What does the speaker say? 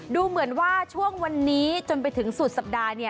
ดูเหมือนว่าช่วงวันนี้จนไปถึงสุดสัปดาห์